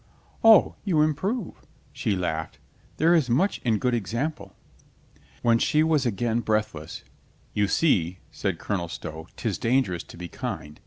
"O, you improve," she laughed. "There is much in good example." When she was again breathless, "You see," said Colonel Stow, " 'tis dangerous to be kind.